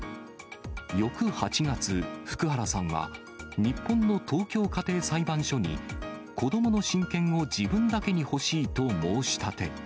翌８月、福原さんは、日本の東京家庭裁判所に、子どもの親権を自分だけに欲しいと申し立て。